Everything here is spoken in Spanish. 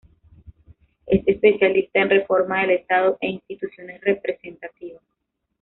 Es especialista en reforma del estado e instituciones representativas.